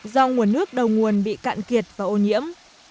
do nguồn nước đầu nguồn bị cạn kiệt và ô nhiễm